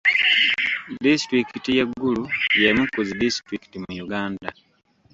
Disitulikiti y'e Gulu y'emu ku zi disitulikiti mu Uganda.